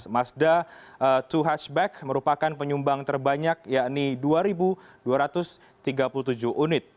mazda dua hatchback merupakan penyumbang terbanyak yakni dua dua ratus tiga puluh tujuh unit